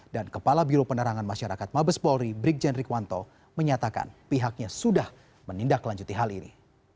dan kepala biro penerangan masyarakat mabes polri brig jendrik wanto menyatakan pihaknya sudah menindaklanjuti hal ini